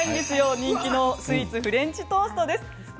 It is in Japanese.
人気のスイーツフレンチトーストです。